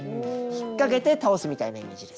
引っ掛けて倒すみたいなイメージです。